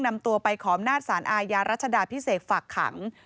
นำตัวไปขออำนาจสารอาญารัชดาพิเศษฝากขัง